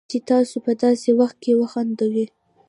چې تاسو په داسې وخت کې وخندوي